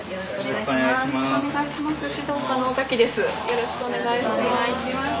よろしくお願いします。